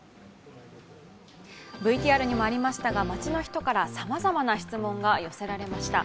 ＶＴＲにもありましたが街の人からさまざまな質問が寄せられました。